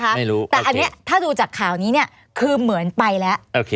ไม่รู้แต่อันนี้ถ้าดูจากข่าวนี้เนี่ยคือเหมือนไปแล้ว